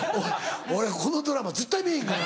俺このドラマ絶対見ぃひんからな。